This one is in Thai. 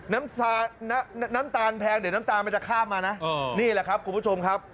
น้ำน้ำตาลแพงเดี๋ยวน้ำตาลมันจะข้ามมานะนี่แหละครับคุณผู้ชมครับ